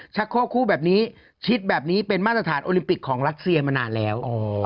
โคคู่แบบนี้ชิดแบบนี้เป็นมาตรฐานโอลิมปิกของรัสเซียมานานแล้ว